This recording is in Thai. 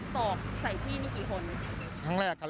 จำได้ไหมว่าที่ลงมากี่คน